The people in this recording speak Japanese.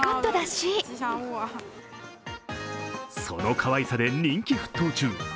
そのかわいさで人気沸騰中。